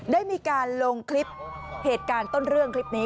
ได้มีการลงคลิปเหตุการณ์ต้นเรื่องคลิปนี้